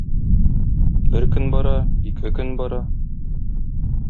Бер көн бара, ике көн бара.